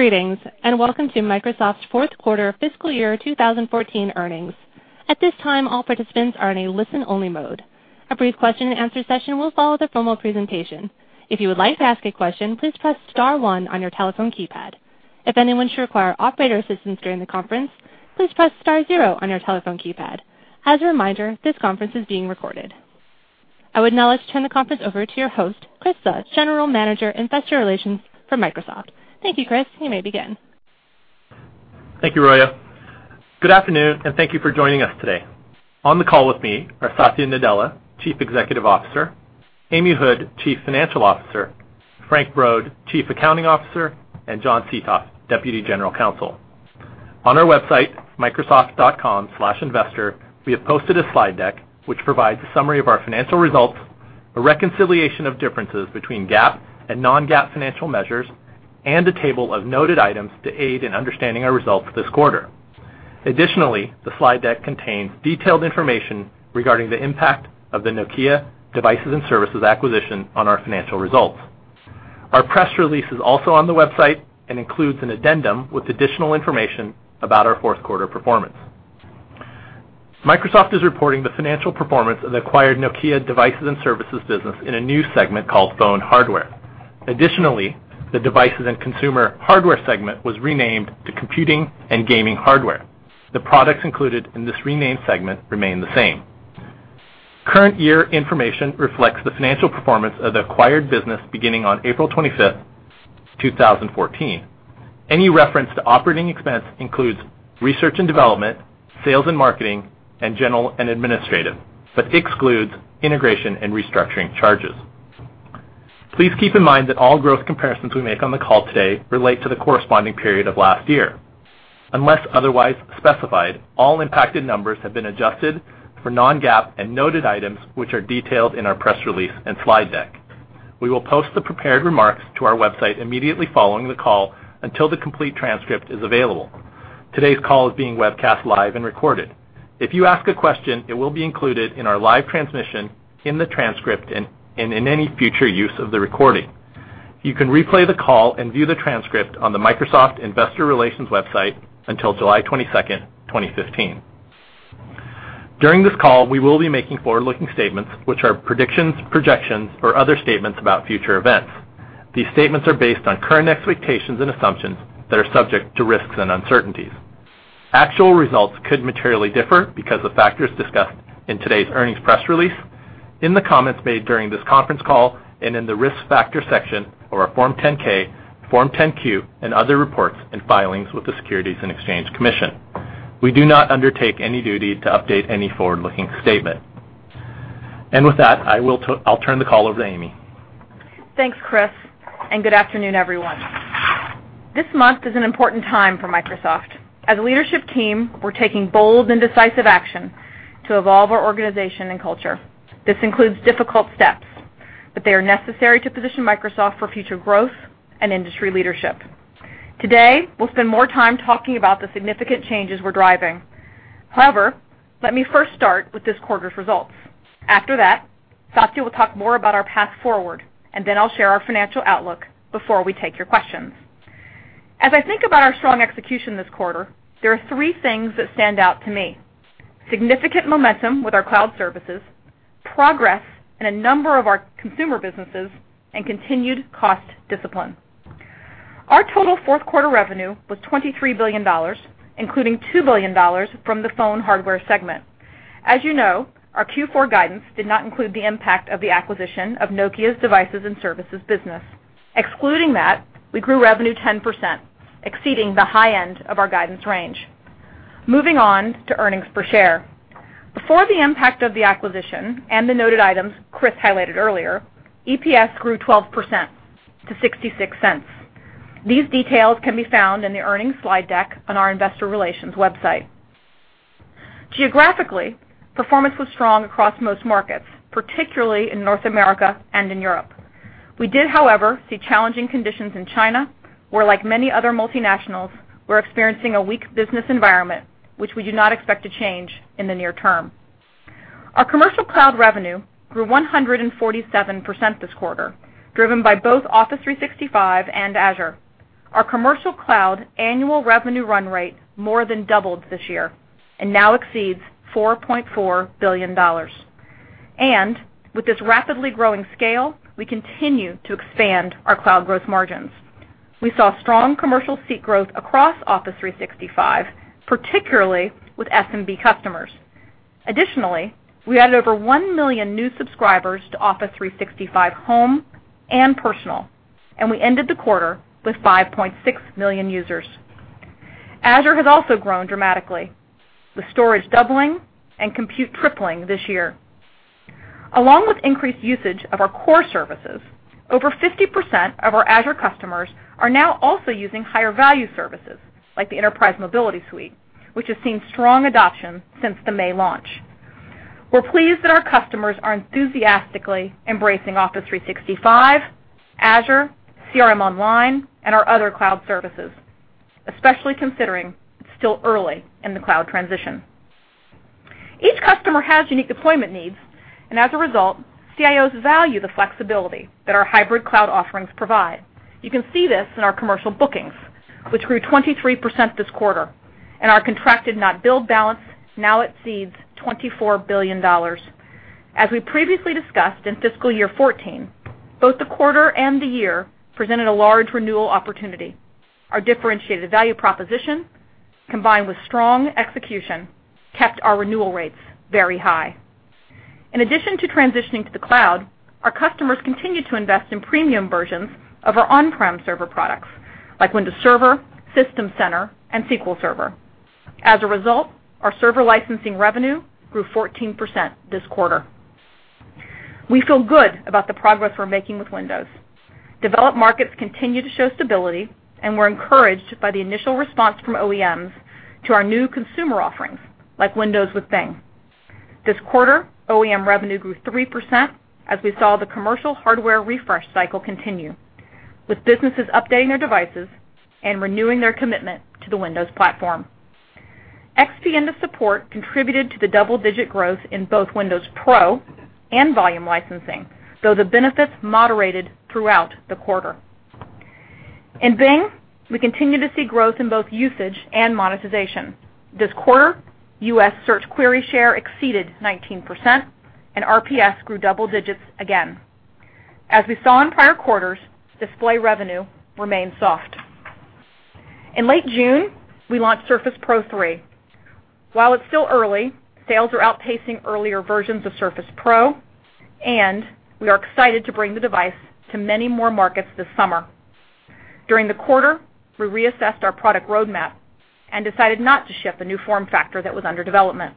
Greetings, welcome to Microsoft's Q4 fiscal year 2014 earnings. At this time, all participants are in a listen-only mode. A brief question-and-answer session will follow the formal presentation. If you would like to ask a question, please press star one on your telephone keypad. If anyone should require operator assistance during the conference, please press star zero on your telephone keypad. As a reminder, this conference is being recorded. I would now like to turn the conference over to your host, Chris Suh, General Manager, Investor Relations for Microsoft. Thank you, Chris. You may begin. Thank you, Roya. Good afternoon, and thank you for joining us today. On the call with me are Satya Nadella, Chief Executive Officer, Amy Hood, Chief Financial Officer, Frank Brod, Chief Accounting Officer, and John Seethoff, Deputy General Counsel. On our website, microsoft.com/investor, we have posted a slide deck which provides a summary of our financial results, a reconciliation of differences between GAAP and non-GAAP financial measures, and a table of noted items to aid in understanding our results this quarter. Additionally, the slide deck contains detailed information regarding the impact of the Nokia Devices and Services acquisition on our financial results. Our press release is also on the website and includes an addendum with additional information about our Q4 performance. Microsoft is reporting the financial performance of the acquired Nokia Devices and Services business in a new segment called Phone Hardware. Additionally, the Computing and Gaming Hardware segment was renamed to Computing and Gaming Hardware. The products included in this renamed segment remain the same. Current year information reflects the financial performance of the acquired business beginning on April 25th, 2014. Any reference to operating expense includes research and development, sales and marketing, and general and administrative, but excludes integration and restructuring charges. Please keep in mind that all growth comparisons we make on the call today relate to the corresponding period of last year. Unless otherwise specified, all impacted numbers have been adjusted for non-GAAP and noted items which are detailed in our press release and slide deck. We will post the prepared remarks to our website immediately following the call until the complete transcript is available. Today's call is being webcast live and recorded. If you ask a question, it will be included in our live transmission, in the transcript, and in any future use of the recording. You can replay the call and view the transcript on the Microsoft Investor Relations website until July 22nd, 2015. During this call, we will be making forward-looking statements, which are predictions, projections, or other statements about future events. These statements are based on current expectations and assumptions that are subject to risks and uncertainties. Actual results could materially differ because of factors discussed in today's earnings press release, in the comments made during this conference call, and in the Risk Factors section of our Form 10-K, Form 10-Q, and other reports and filings with the Securities and Exchange Commission. We do not undertake any duty to update any forward-looking statement. With that, I'll turn the call over to Amy. Thanks, Chris. Good afternoon, everyone. This month is an important time for Microsoft. As a leadership team, we're taking bold and decisive action to evolve our organization and culture. This includes difficult steps, but they are necessary to position Microsoft for future growth and industry leadership. Today, we'll spend more time talking about the significant changes we're driving. However, let me first start with this quarter's results. After that, Satya will talk more about our path forward, and then I'll share our financial outlook before we take your questions. As I think about our strong execution this quarter, there are three things that stand out to me: significant momentum with our cloud services, progress in a number of our consumer businesses, and continued cost discipline. Our total Q4 revenue was $23 billion, including $2 billion from the Phone Hardware segment. As you know, our Q4 guidance did not include the impact of the acquisition of Nokia Devices and Services business. Excluding that, we grew revenue 10%, exceeding the high end of our guidance range. Moving on to earnings per share. Before the impact of the acquisition and the noted items Chris highlighted earlier, EPS grew 12% to $0.66. These details can be found in the earnings slide deck on our investor relations website. Geographically, performance was strong across most markets, particularly in North America and in Europe. We did, however, see challenging conditions in China, where, like many other multinationals, we're experiencing a weak business environment, which we do not expect to change in the near term. Our commercial cloud revenue grew 147% this quarter, driven by both Office 365 and Azure. Our commercial cloud annual revenue run rate more than doubled this year and now exceeds $4.4 billion. With this rapidly growing scale, we continue to expand our cloud gross margins. We saw strong commercial seat growth across Office 365, particularly with SMB customers. Additionally, we added over one million new subscribers to Office 365 Home and Personal, and we ended the quarter with 5.6 million users. Azure has also grown dramatically, with storage doubling and compute tripling this year. Along with increased usage of our core services, over 50% of our Azure customers are now also using higher-value services like the Enterprise Mobility Suite, which has seen strong adoption since the May launch. We're pleased that our customers are enthusiastically embracing Office 365, Azure, CRM Online, and our other cloud services, especially considering it's still early in the cloud transition. Each customer has unique deployment needs, and as a result, CIOs value the flexibility that our hybrid cloud offerings provide. You can see this in our commercial bookings, which grew 23% this quarter, and our contracted not billed balance now exceeds $24 billion. As we previously discussed in fiscal year 2014, both the quarter and the year presented a large renewal opportunity. Our differentiated value proposition, combined with strong execution, kept our renewal rates very high. In addition to transitioning to the cloud, our customers continued to invest in premium versions of our on-prem server products like Windows Server, System Center and SQL Server. As a result, our server licensing revenue grew 14% this quarter. We feel good about the progress we're making with Windows. Developed markets continue to show stability, and we're encouraged by the initial response from OEMs to our new consumer offerings, like Windows with Bing. This quarter, OEM revenue grew 3% as we saw the commercial hardware refresh cycle continue with businesses updating their devices and renewing their commitment to the Windows platform. XP end of support contributed to the double-digit growth in both Windows Pro and volume licensing, though the benefits moderated throughout the quarter. In Bing, we continue to see growth in both usage and monetization. This quarter, U.S. search query share exceeded 19%, and RPS grew double digits again. As we saw in prior quarters, display revenue remained soft. In late June, we launched Surface Pro 3. While it's still early, sales are outpacing earlier versions of Surface Pro, and we are excited to bring the device to many more markets this summer. During the quarter, we reassessed our product roadmap and decided not to ship a new form factor that was under development.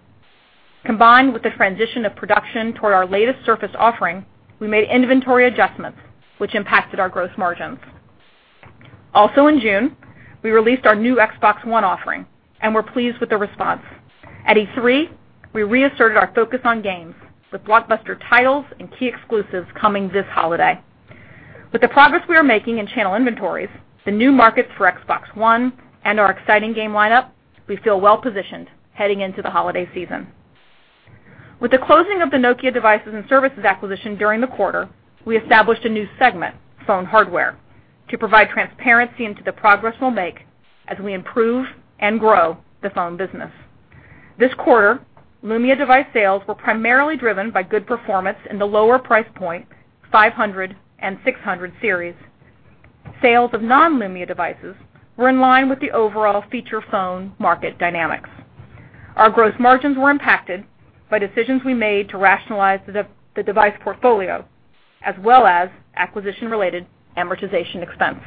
Combined with the transition of production toward our latest Surface offering, we made inventory adjustments which impacted our gross margins. Also in June, we released our new Xbox One offering, and we're pleased with the response. At E3, we reasserted our focus on games with blockbuster titles and key exclusives coming this holiday. With the progress we are making in channel inventories, the new markets for Xbox One and our exciting game lineup, we feel well positioned heading into the holiday season. With the closing of the Nokia Devices and Services acquisition during the quarter, we established a new segment, Phone Hardware, to provide transparency into the progress we'll make as we improve and grow the phone business. This quarter, Lumia device sales were primarily driven by good performance in the lower price point, 500 and 600 series. Sales of non-Lumia devices were in line with the overall feature phone market dynamics. Our gross margins were impacted by decisions we made to rationalize the device portfolio, as well as acquisition-related amortization expense.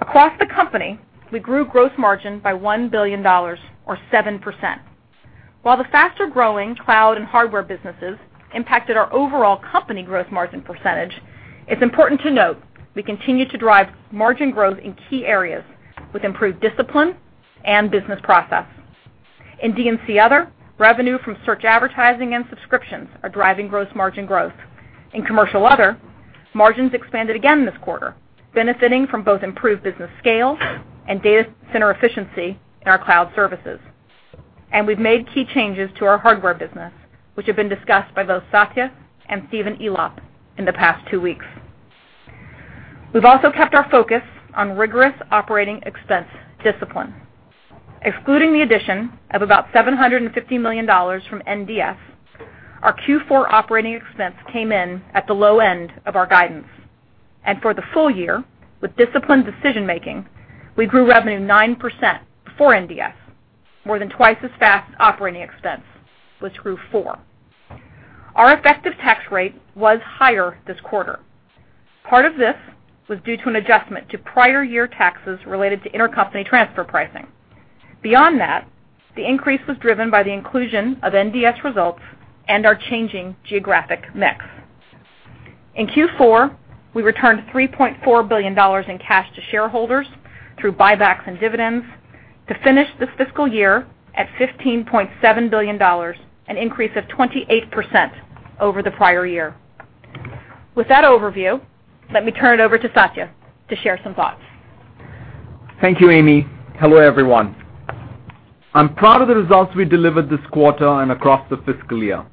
Across the company, we grew gross margin by $1 billion or 7%. While the faster-growing cloud and hardware businesses impacted our overall company gross margin percentage, it's important to note we continue to drive margin growth in key areas with improved discipline and business process. In D&C Other, revenue from search advertising and subscriptions are driving gross margin growth. In Commercial Other, margins expanded again this quarter, benefiting from both improved business scale and data center efficiency in our cloud services. We've made key changes to our hardware business, which have been discussed by both Satya and Stephen Elop in the past two weeks. We've also kept our focus on rigorous operating expense discipline. Excluding the addition of about $750 million from NDS, our Q4 operating expense came in at the low end of our guidance. For the full year, with disciplined decision-making, we grew revenue 9% for NDS, more than twice as fast as operating expense, which grew 4%. Our effective tax rate was higher this quarter. Part of this was due to an adjustment to prior year taxes related to intercompany transfer pricing. Beyond that, the increase was driven by the inclusion of NDS results and our changing geographic mix. In Q4, we returned $3.4 billion in cash to shareholders through buybacks and dividends to finish this fiscal year at $15.7 billion, an increase of 28% over the prior year. With that overview, let me turn it over to Satya to share some thoughts. Thank you, Amy. Hello, everyone. I'm proud of the results we delivered this quarter and across the fiscal year.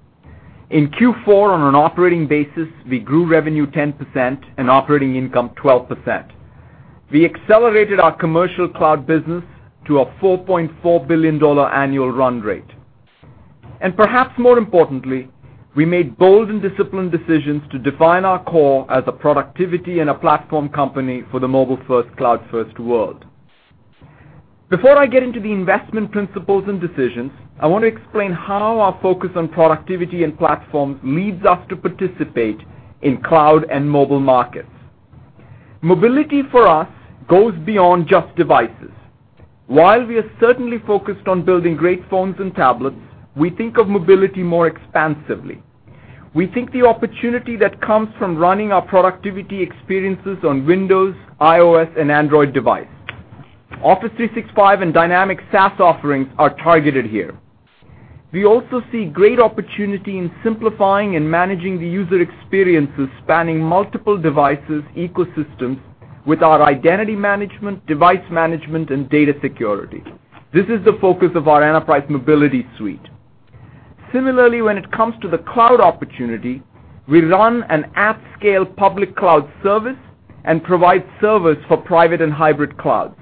In Q4, on an operating basis, we grew revenue 10% and operating income 12%. We accelerated our commercial cloud business to a $4.4 billion annual run rate. Perhaps more importantly, we made bold and disciplined decisions to define our core as a productivity and a platform company for the mobile-first, cloud-first world. Before I get into the investment principles and decisions, I want to explain how our focus on productivity and platform leads us to participate in cloud and mobile markets. Mobility for us goes beyond just devices. While we are certainly focused on building great phones and tablets, we think of mobility more expansively. We think the opportunity that comes from running our productivity experiences on Windows, iOS and Android device. Office 365 and Dynamics SaaS offerings are targeted here. We also see great opportunity in simplifying and managing the user experiences spanning multiple devices, ecosystems. With our identity management, device management, and data security. This is the focus of our Enterprise Mobility Suite. Similarly, when it comes to the cloud opportunity, we run an app scale public cloud service and provide service for private and hybrid clouds.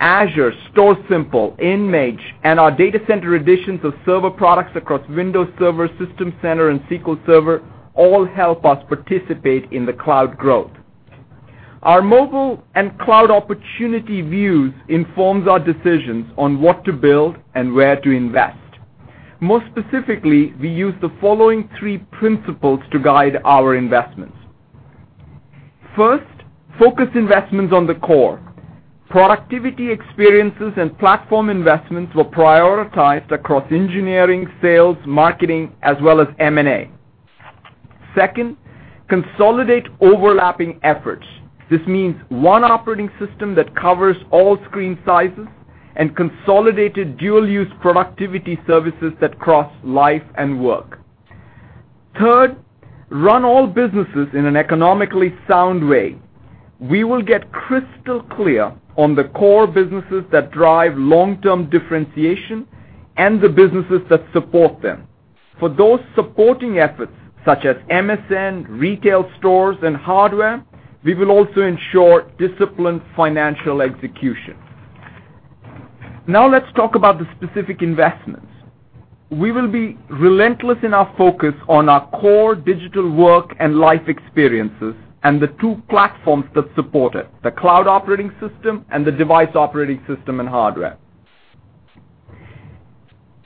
Azure, StorSimple, InMage, and our data center editions of server products across Windows Server, System Center, and SQL Server all help us participate in the cloud growth. Our mobile and cloud opportunity views informs our decisions on what to build and where to invest. More specifically, we use the following three principles to guide our investments. First, focus investments on the core. Productivity experiences and platform investments were prioritized across engineering, sales, marketing, as well as M&A. Second, consolidate overlapping efforts. This means one operating system that covers all screen sizes and consolidated dual-use productivity services that cross life and work. Third, run all businesses in an economically sound way. We will get crystal clear on the core businesses that drive long-term differentiation and the businesses that support them. For those supporting efforts, such as MSN, retail stores, and hardware, we will also ensure disciplined financial execution. Now let's talk about the specific investments. We will be relentless in our focus on our core digital work and life experiences and the two platforms that support it, the cloud operating system and the device operating system and hardware.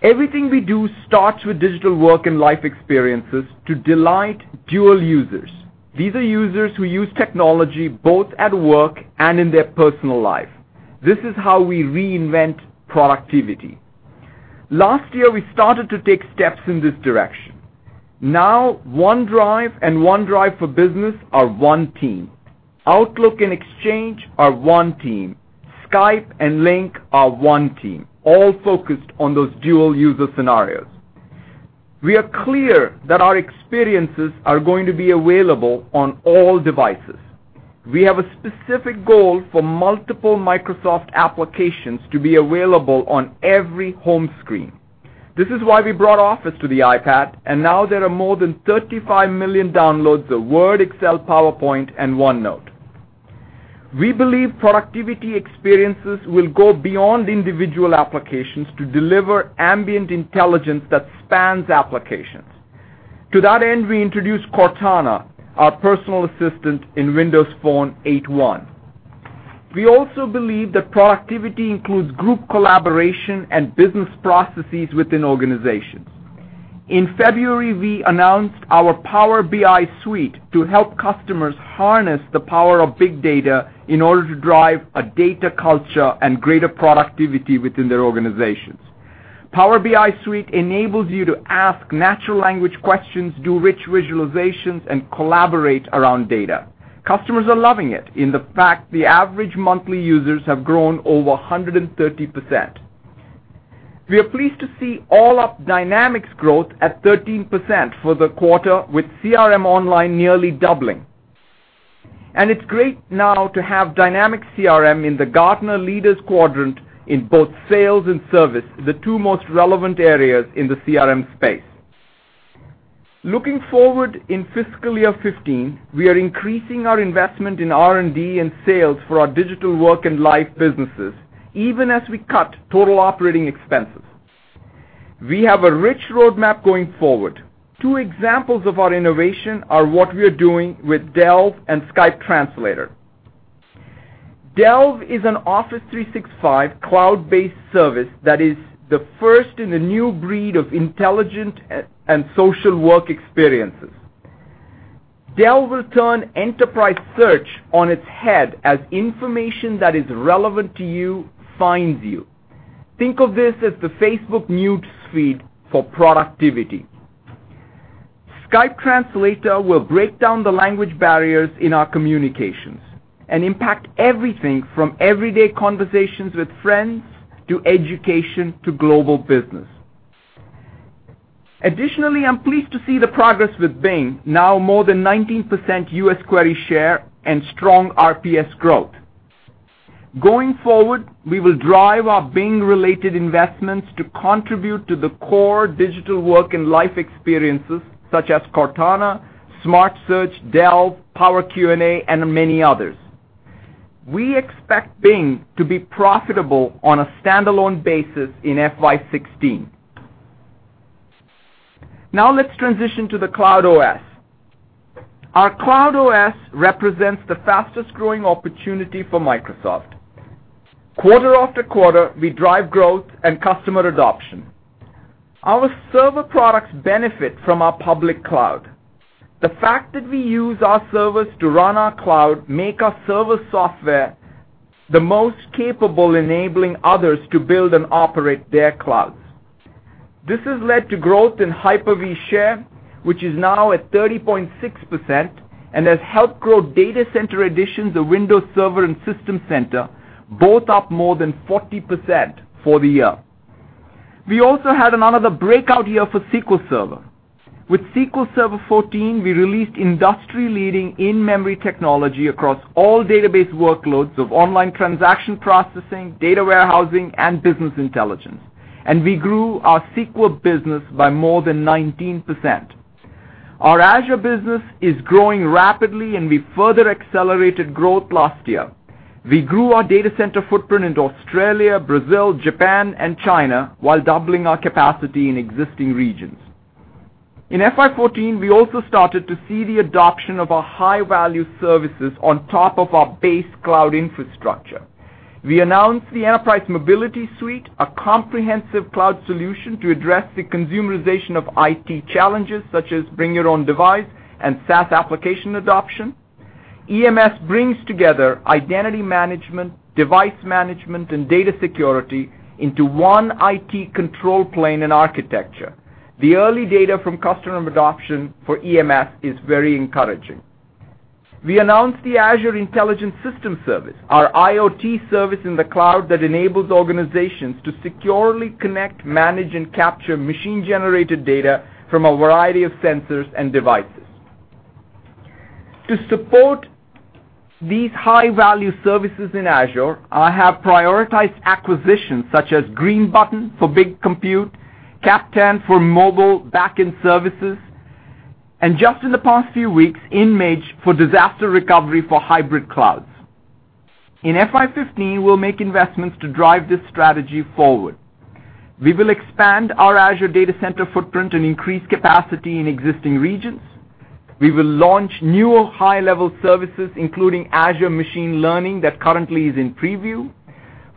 Everything we do starts with digital work and life experiences to delight dual users. These are users who use technology both at work and in their personal life. This is how we reinvent productivity. Last year, we started to take steps in this direction. OneDrive and OneDrive for Business are one team. Outlook and Exchange are one team. Skype and Lync are one team, all focused on those dual user scenarios. We are clear that our experiences are going to be available on all devices. We have a specific goal for multiple Microsoft applications to be available on every home screen. This is why we brought Office to the iPad, and now there are more than 35 million downloads of Word, Excel, PowerPoint, and OneNote. We believe productivity experiences will go beyond individual applications to deliver ambient intelligence that spans applications. To that end, we introduced Cortana, our personal assistant in Windows Phone 8.1. We also believe that productivity includes group collaboration and business processes within organizations. In February, we announced our Power BI suite to help customers harness the power of big data in order to drive a data culture and greater productivity within their organizations. Power BI suite enables you to ask natural language questions, do rich visualizations, and collaborate around data. Customers are loving it. In fact, the average monthly users have grown over 130%. We are pleased to see all up Dynamics growth at 13% for the quarter, with CRM Online nearly doubling. It's great now to have Dynamics CRM in the Gartner leaders quadrant in both sales and service, the two most relevant areas in the CRM space. Looking forward in fiscal year 2015, we are increasing our investment in R&D and sales for our digital work and life businesses, even as we cut total operating expenses. We have a rich roadmap going forward. Two examples of our innovation are what we are doing with Delve and Skype Translator. Delve is an Office 365 cloud-based service that is the first in the new breed of intelligent and social work experiences. Delve will turn enterprise search on its head as information that is relevant to you finds you. Think of this as the Facebook news feed for productivity. Skype Translator will break down the language barriers in our communications and impact everything from everyday conversations with friends to education to global business. Additionally, I'm pleased to see the progress with Bing, now more than 19% U.S. query share and strong RPS growth. Going forward, we will drive our Bing-related investments to contribute to the core digital work and life experiences such as Cortana, Smart Search, Delve, Power Q&A, and many others. We expect Bing to be profitable on a standalone basis in FY 2016. Let's transition to the Cloud OS. Our Cloud OS represents the fastest-growing opportunity for Microsoft. Quarter after quarter, we drive growth and customer adoption. Our server products benefit from our public cloud. The fact that we use our servers to run our cloud make our server software the most capable, enabling others to build and operate their clouds. This has led to growth in Hyper-V share, which is now at 30.6% and has helped grow data center editions of Windows Server and System Center, both up more than 40% for the year. We also had another breakout year for SQL Server. With SQL Server 2014, we released industry-leading in-memory technology across all database workloads of online transaction processing, data warehousing, and business intelligence. We grew our SQL business by more than 19%. Our Azure business is growing rapidly, and we further accelerated growth last year. We grew our data center footprint into Australia, Brazil, Japan, and China while doubling our capacity in existing regions. In FY 2014, we also started to see the adoption of our high-value services on top of our base cloud infrastructure. We announced the Enterprise Mobility Suite, a comprehensive cloud solution to address the consumerization of IT challenges such as bring your own device and SaaS application adoption. EMS brings together identity management, device management, and data security into one IT control plane and architecture. The early data from customer adoption for EMS is very encouraging. We announced the Azure Intelligent Systems Service, our IoT service in the cloud that enables organizations to securely connect, manage, and capture machine-generated data from a variety of sensors and devices. To support these high-value services in Azure, I have prioritized acquisitions such as GreenButton for big compute, Capptain for mobile backend services, and just in the past few weeks, InMage for disaster recovery for hybrid clouds. In FY 2015, we'll make investments to drive this strategy forward. We will expand our Azure data center footprint and increase capacity in existing regions. We will launch new high-level services, including Azure Machine Learning that currently is in preview.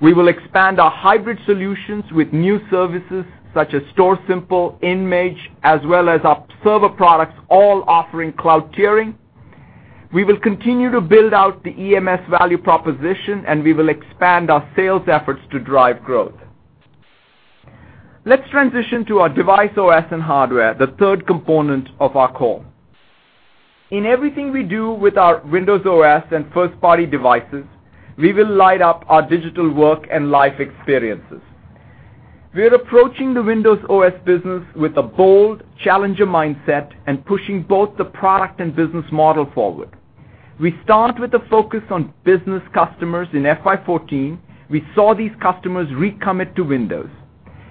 We will expand our hybrid solutions with new services such as StorSimple, InMage, as well as our server products all offering cloud tiering. We will continue to build out the EMS value proposition, and we will expand our sales efforts to drive growth. Let's transition to our device OS and hardware, the third component of our core. In everything we do with our Windows OS and first-party devices, we will light up our digital work and life experiences. We are approaching the Windows OS business with a bold challenger mindset and pushing both the product and business model forward. We start with a focus on business customers in FY 2014. We saw these customers recommit to Windows.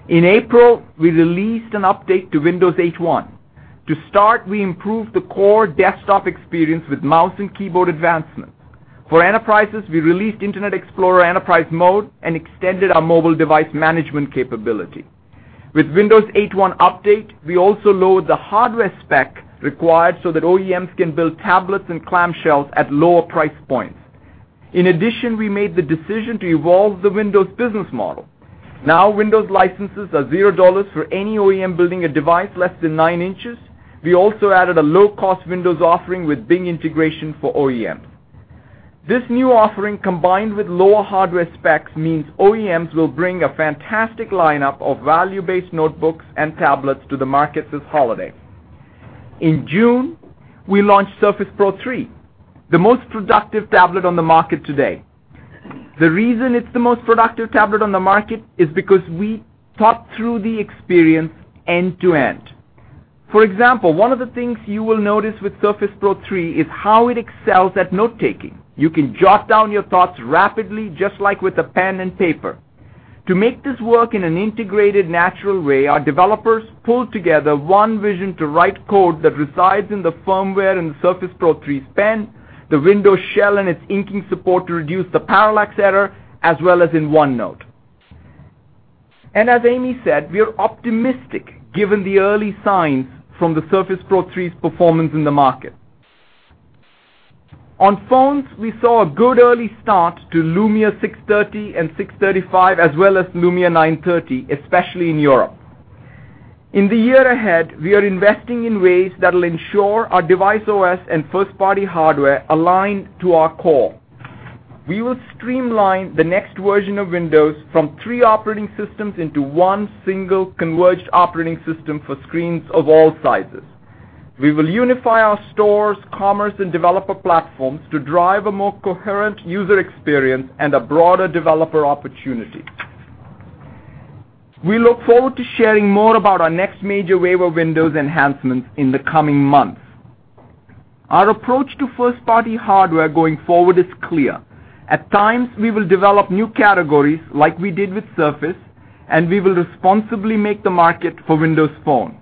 In April, we released an update to Windows 8.1. To start, we improved the core desktop experience with mouse and keyboard advancements. For enterprises, we released Internet Explorer Enterprise Mode and extended our mobile device management capability. With Windows 8.1 update, we also lowered the hardware spec required so that OEMs can build tablets and clamshells at lower price points. In addition, we made the decision to evolve the Windows business model. Windows licenses are $0 for any OEM building a device less than nine inches. We also added a low-cost Windows offering with Bing integration for OEMs. This new offering, combined with lower hardware specs, means OEMs will bring a fantastic lineup of value-based notebooks and tablets to the market this holiday. In June, we launched Surface Pro 3, the most productive tablet on the market today. The reason it's the most productive tablet on the market is because we thought through the experience end to end. For example, one of the things you will notice with Surface Pro 3 is how it excels at note-taking. You can jot down your thoughts rapidly, just like with a pen and paper. To make this work in an integrated, natural way, our developers pulled together one vision to write code that resides in the firmware in the Surface Pro 3's pen, the Windows shell and its inking support to reduce the parallax error, as well as in OneNote. As Amy said, we are optimistic given the early signs from the Surface Pro 3's performance in the market. On phones, we saw a good early start to Lumia 630 and 635, as well as Lumia 930, especially in Europe. In the year ahead, we are investing in ways that'll ensure our device OS and first-party hardware align to our core. We will streamline the next version of Windows from 3 operating systems into one single converged operating system for screens of all sizes. We will unify our stores, commerce, and developer platforms to drive a more coherent user experience and a broader developer opportunity. We look forward to sharing more about our next major wave of Windows enhancements in the coming months. Our approach to first-party hardware going forward is clear. At times, we will develop new categories like we did with Surface, and we will responsibly make the market for Windows Phone.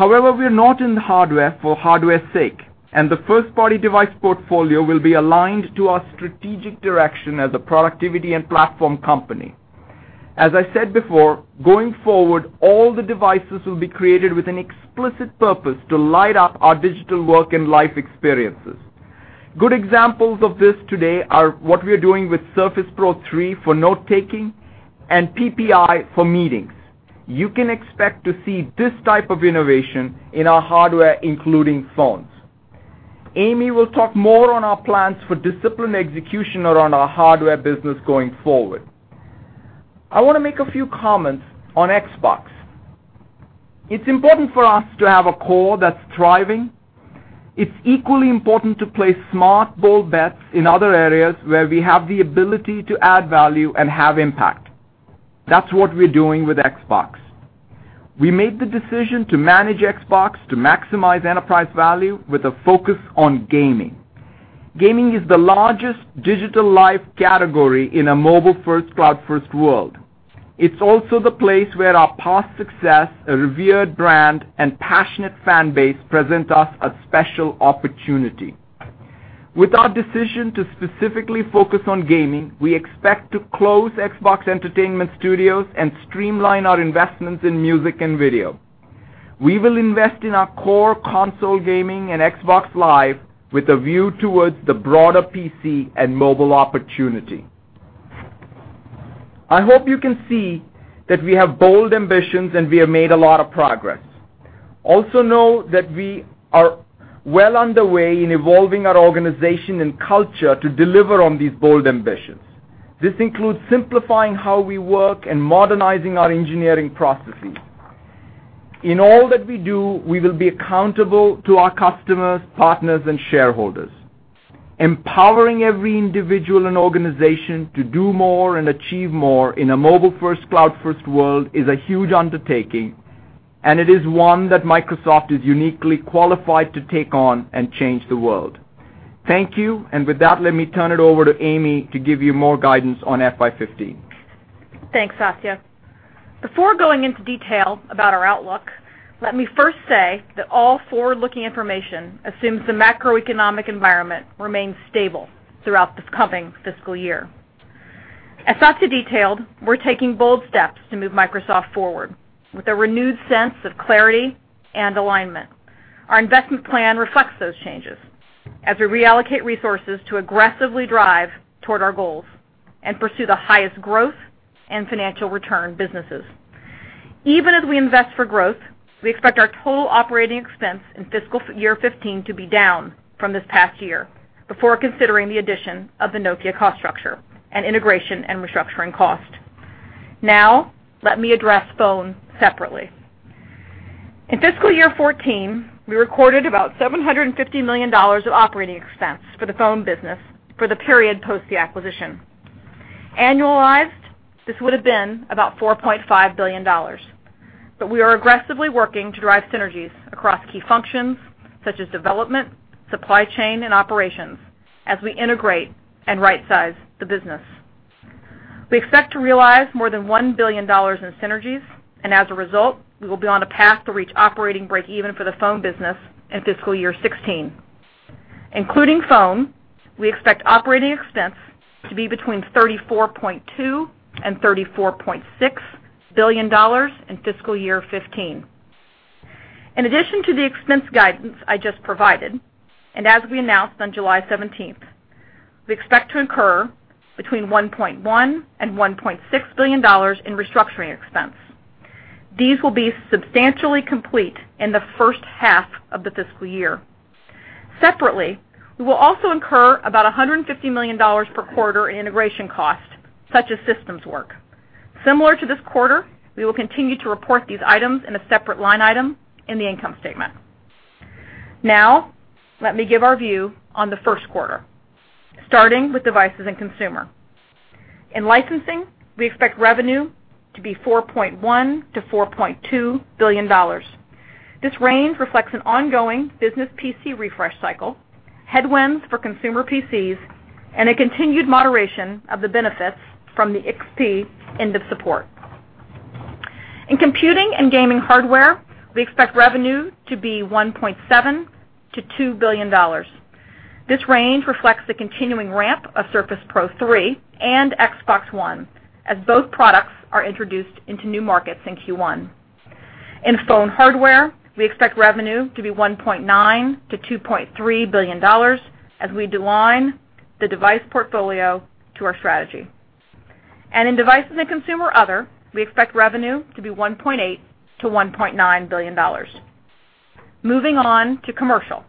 We are not in the hardware for hardware's sake, and the first-party device portfolio will be aligned to our strategic direction as a productivity and platform company. As I said before, going forward, all the devices will be created with an explicit purpose to light up our digital work and life experiences. Good examples of this today are what we are doing with Surface Pro 3 for note-taking and PPI for meetings. You can expect to see this type of innovation in our hardware, including phones. Amy will talk more on our plans for disciplined execution around our hardware business going forward. I wanna make a few comments on Xbox. It's important for us to have a core that's thriving. It's equally important to place smart, bold bets in other areas where we have the ability to add value and have impact. That's what we're doing with Xbox. We made the decision to manage Xbox to maximize enterprise value with a focus on gaming. Gaming is the largest digital life category in a mobile first, cloud first world. It's also the place where our past success, a revered brand, and passionate fan base present us a special opportunity. With our decision to specifically focus on gaming, we expect to close Xbox Entertainment Studios and streamline our investments in music and video. We will invest in our core console gaming and Xbox Live with a view towards the broader PC and mobile opportunity. I hope you can see that we have bold ambitions, and we have made a lot of progress. Also know that we are well underway in evolving our organization and culture to deliver on these bold ambitions. This includes simplifying how we work and modernizing our engineering processes. In all that we do, we will be accountable to our customers, partners, and shareholders. Empowering every individual and organization to do more and achieve more in a mobile first, cloud first world is a huge undertaking, and it is one that Microsoft is uniquely qualified to take on and change the world. Thank you. With that, let me turn it over to Amy to give you more guidance on FY 2015. Thanks, Satya. Before going into detail about our outlook, let me first say that all forward-looking information assumes the macroeconomic environment remains stable throughout this coming fiscal year. As Satya detailed, we're taking bold steps to move Microsoft forward with a renewed sense of clarity and alignment. Our investment plan reflects those changes as we reallocate resources to aggressively drive toward our goals and pursue the highest growth and financial return businesses. Even as we invest for growth, we expect our total operating expense in fiscal year 2015 to be down from this past year before considering the addition of the Nokia cost structure and integration and restructuring cost. Now let me address Phone separately. In fiscal year 2014, we recorded about $750 million of operating expense for the phone business for the period post the acquisition. Annualized, this would have been about $4.5 billion. We are aggressively working to drive synergies across key functions such as development, supply chain, and operations as we integrate and right size the business. We expect to realize more than $1 billion in synergies, and as a result, we will be on a path to reach operating breakeven for the Phone business in fiscal year 2016. Including Phone, we expect operating expense to be between $34.2 billion and $34.6 billion in fiscal year 2015. In addition to the expense guidance I just provided, and as we announced on July 17th, we expect to incur between $1.1 billion and $1.6 billion in restructuring expense. These will be substantially complete in the H1 of the fiscal year. Separately, we will also incur about $150 million per quarter in integration costs, such as systems work. Similar to this quarter, we will continue to report these items in a separate line item in the income statement. Let me give our view on the Q1, starting with Devices and Consumer. In licensing, we expect revenue to be $4.1 billion-$4.2 billion. This range reflects an ongoing business PC refresh cycle, headwinds for consumer PCs, and a continued moderation of the benefits from the XP end of support. In Computing and Gaming Hardware, we expect revenue to be $1.7 billion-$2 billion. This range reflects the continuing ramp of Surface Pro 3 and Xbox One as both products are introduced into new markets in Q1. In Phone Hardware, we expect revenue to be $1.9 billion-$2.3 billion as we align the device portfolio to our strategy. In Devices and Consumer Other, we expect revenue to be $1.8 billion-$1.9 billion. Moving on to Commercial.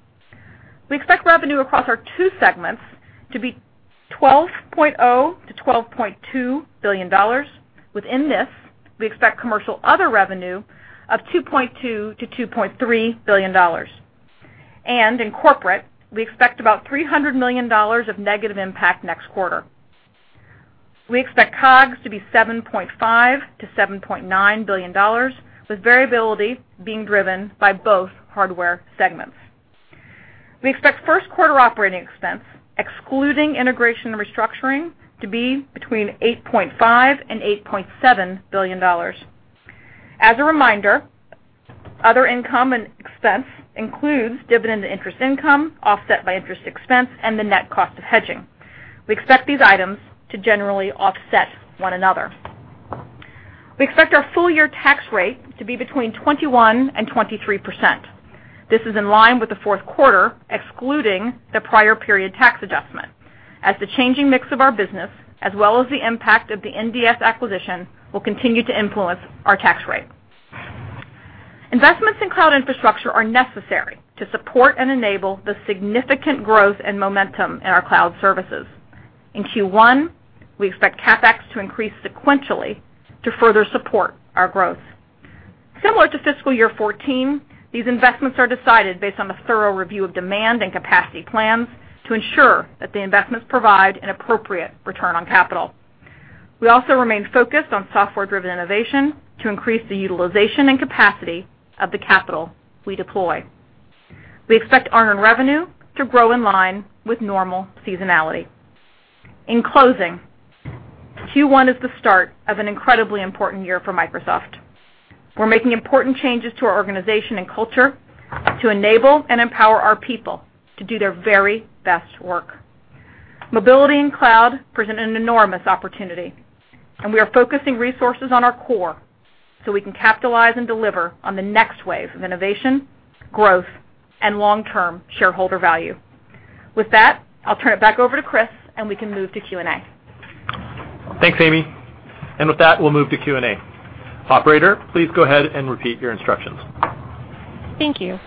We expect revenue across our two segments to be $12.0 billion-$12.2 billion. Within this, we expect Commercial Other revenue of $2.2 billion-$2.3 billion. In Corporate, we expect about $300 million of negative impact next quarter. We expect COGS to be $7.5 billion-$7.9 billion, with variability being driven by both hardware segments. We expect Q1 operating expense, excluding integration and restructuring, to be between $8.5 billion and $8.7 billion. As a reminder, other income and expense includes dividend and interest income offset by interest expense and the net cost of hedging. We expect these items to generally offset one another. We expect our full year tax rate to be between 21%-23%. This is in line with the Q4, excluding the prior period tax adjustment, as the changing mix of our business as well as the impact of the NDS acquisition will continue to influence our tax rate. Investments in cloud infrastructure are necessary to support and enable the significant growth and momentum in our cloud services. In Q1, we expect CapEx to increase sequentially to further support our growth. Similar to FY 2014, these investments are decided based on a thorough review of demand and capacity plans to ensure that the investments provide an appropriate return on capital. We also remain focused on software-driven innovation to increase the utilization and capacity of the capital we deploy. We expect unearned revenue to grow in line with normal seasonality. In closing, Q1 is the start of an incredibly important year for Microsoft. We're making important changes to our organization and culture to enable and empower our people to do their very best work. Mobility and cloud present an enormous opportunity, and we are focusing resources on our core so we can capitalize and deliver on the next wave of innovation, growth, and long-term shareholder value. With that, I'll turn it back over to Chris, and we can move to Q&A. Thanks, Amy. With that, we'll move to Q&A. Operator, please go ahead and repeat your instructions. Thank you.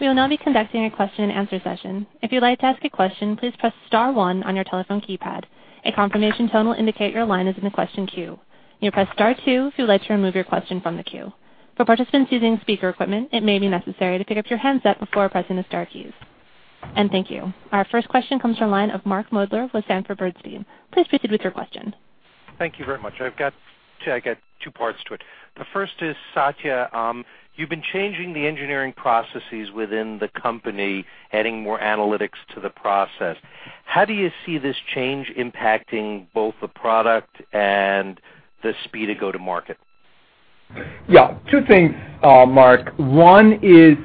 We will now be conducting a question and answer session. If you would like to ask a question, please press star one on your telephone keypad. A confirmation tone will indicate your line is in the question queue. You press star two to let you remove your question from the queue. For participants using speaker equipment, it may be necessary to pick up your handset before pressing the star key. Thank you. Our first question comes from line of Mark Moerdler with Sanford Bernstein. Please proceed with your question. Thank you very much. I got two parts to it. The first is Satya. You've been changing the engineering processes within the company, adding more analytics to the process. How do you see this change impacting both the product and the speed of go-to-market? Yeah, two things, Mark. One is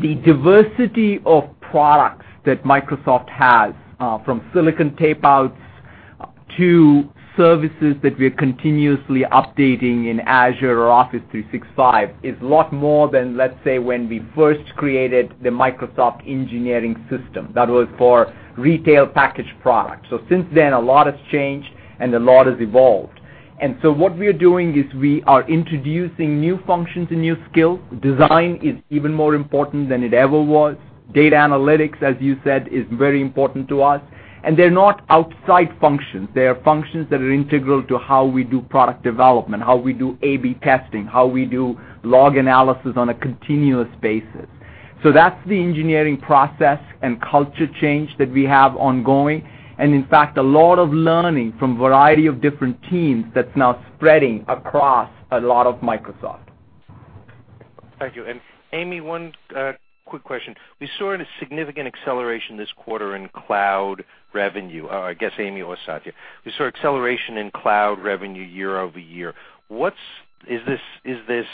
the diversity of products that Microsoft has, from silicon tape outs to services that we are continuously updating in Azure or Office 365 is lot more than, let's say, when we first created the Microsoft engineering system that was for retail packaged product. Since then, a lot has changed, and a lot has evolved. What we are doing is we are introducing new functions and new skills. Design is even more important than it ever was. Data analytics, as you said, is very important to us. They're not outside functions. They are functions that are integral to how we do product development, how we do AB testing, how we do log analysis on a continuous basis. That's the engineering process and culture change that we have ongoing, and in fact, a lot of learning from variety of different teams that's now spreading across a lot of Microsoft. Thank you. Amy, one quick question. We saw a significant acceleration this quarter in cloud revenue. I guess Amy or Satya. We saw acceleration in cloud revenue year-over-year. Is this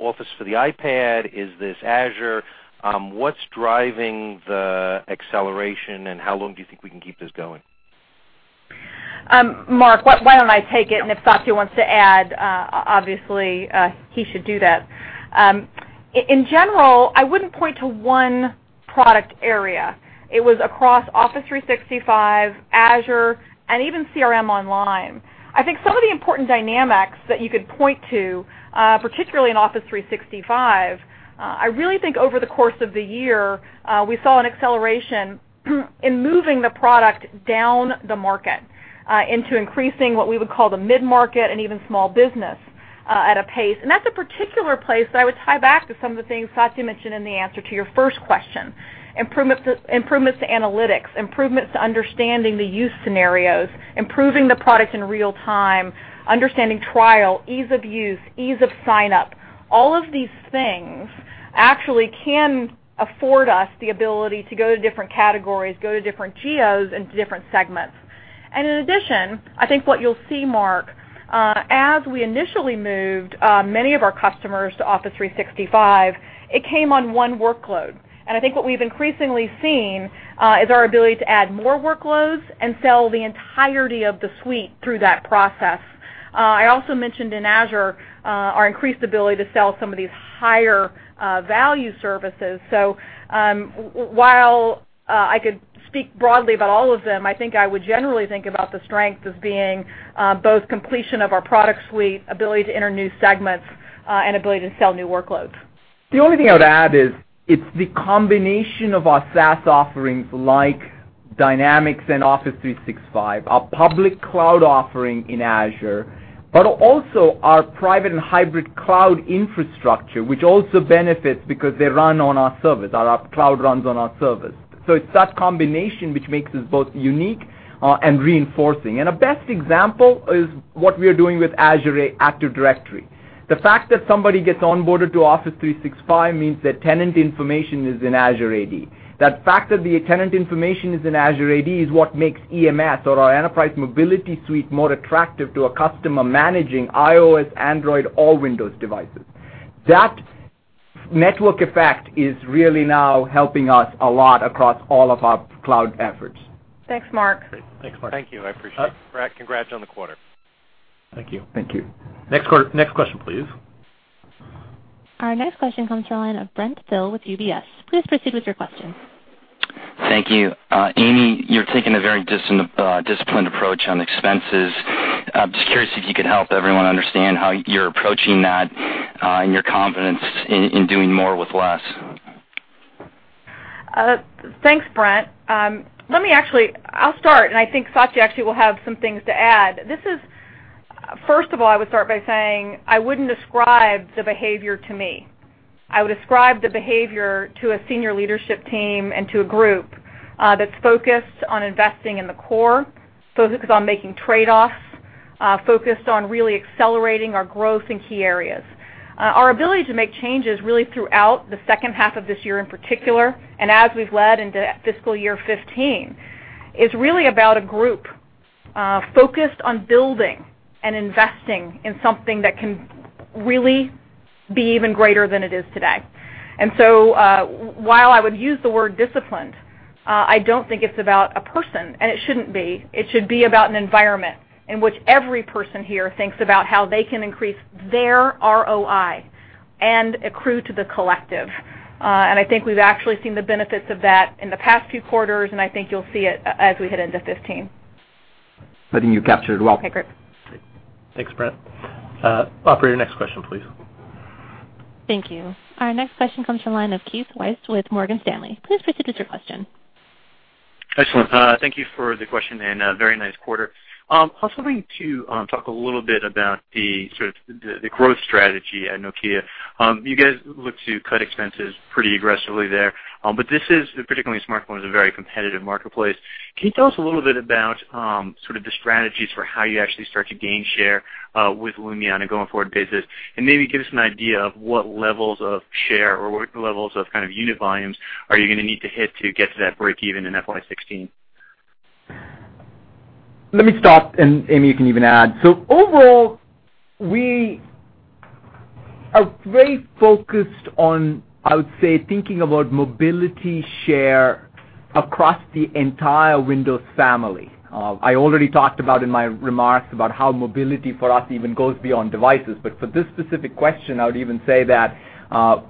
Office for the iPad? Is this Azure? What's driving the acceleration, and how long do you think we can keep this going? Mark, why don't I take it, and if Satya wants to add, obviously, he should do that. In general, I wouldn't point to one product area. It was across Office 365, Azure, and even CRM Online. I think some of the important dynamics that you could point to, particularly in Office 365, I really think over the course of the year, we saw an acceleration in moving the product down the market, into increasing what we would call the mid-market and even small business, at a pace. That's a particular place that I would tie back to some of the things Satya mentioned in the answer to your first question, improvements to analytics, improvements to understanding the use scenarios, improving the product in real time, understanding trial, ease of use, ease of sign-up. All of these things actually can afford us the ability to go to different categories, go to different geos and to different segments. In addition, I think what you'll see, Mark, as we initially moved many of our customers to Office 365, it came on one workload. I think what we've increasingly seen is our ability to add more workloads and sell the entirety of the suite through that process. I also mentioned in Azure, our increased ability to sell some of these higher value services. While I could speak broadly about all of them, I think I would generally think about the strength as being both completion of our product suite, ability to enter new segments, and ability to sell new workloads. The only thing I would add is it's the combination of our SaaS offerings like Dynamics and Office 365, our public cloud offering in Azure, but also our private and hybrid cloud infrastructure, which also benefits because they run on our servers or our cloud runs on our servers. It's that combination which makes us both unique and reinforcing. A best example is what we are doing with Azure Active Directory. The fact that somebody gets onboarded to Office 365 means their tenant information is in Azure AD. That fact that the tenant information is in Azure AD is what makes EMS or our Enterprise Mobility Suite more attractive to a customer managing iOS, Android, all Windows devices. That network effect is really now helping us a lot across all of our cloud efforts. Thanks, Mark. Great. Thanks, Mark. Thank you. I appreciate it. Congrats on the quarter. Thank you. Thank you. Next question, please. Our next question comes to the line of Brent Thill with UBS. Please proceed with your question. Thank you. Amy, you're taking a very disciplined approach on expenses. Just curious if you could help everyone understand how you're approaching that and your confidence in doing more with less. Thanks, Brent. Let me actually I'll start, and I think Satya actually will have some things to add. This is, first of all, I would start by saying I wouldn't describe the behavior to me. I would describe the behavior to a senior leadership team and to a group that's focused on investing in the core, focused on making trade-offs, focused on really accelerating our growth in key areas. Our ability to make changes really throughout the H2 of this year in particular, and as we've led into fiscal year 2015, is really about a group focused on building and investing in something that can really be even greater than it is today. While I would use the word disciplined, I don't think it's about a person, and it shouldn't be. It should be about an environment in which every person here thinks about how they can increase their ROI and accrue to the collective. I think we've actually seen the benefits of that in the past few quarters, and I think you'll see it as we head into FY 2015. I think you captured it well. Okay, great. Thanks, Brent. Operator, next question, please. Thank you. Our next question comes from line of Keith Weiss with Morgan Stanley. Please proceed with your question. Excellent. Thank you for the question and very nice quarter. I was hoping to talk a little bit about the sort of the growth strategy at Nokia. You guys look to cut expenses pretty aggressively there, but this is, particularly smartphones, a very competitive marketplace. Can you tell us a little bit about sort of the strategies for how you actually start to gain share with Lumia on a going forward basis? Maybe give us an idea of what levels of share or what levels of kind of unit volumes are you gonna need to hit to get to that break even in FY 2016. Let me start, and Amy, you can even add. Overall, we are very focused on, I would say, thinking about mobility share across the entire Windows family. I already talked about in my remarks about how mobility for us even goes beyond devices. For this specific question, I would even say that